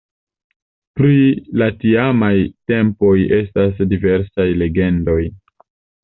Pri la tiamaj tempoj estas diversaj legendoj.